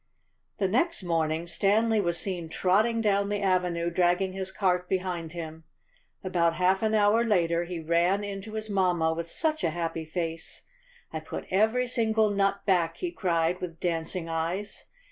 The next morning Stanley was seen trotting down the avenue dragging his cart behind him. About half an hour later he ran in to his mamma with such a happy face. "I put every single nut back," he cried, with dancing eyes.